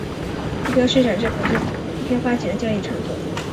股票市场是股票发行和交易的场所。